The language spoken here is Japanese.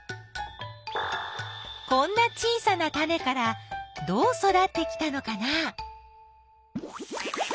こんな小さなタネからどう育ってきたのかな？